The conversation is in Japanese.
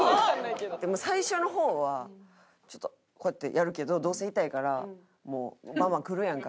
でも最初の方はちょっとこうやってやるけどどうせイタいからもうバンバンくるやんか。